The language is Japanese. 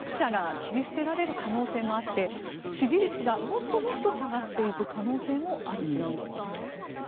末延さん、財政健全化に取り組むとすると弱者が切り捨てられる可能性もあって支持率がもっともっと下がっていく可能性もあるというお話です。